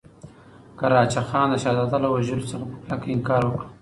قراچه خان د شهزاده له وژلو څخه په کلکه انکار وکړ.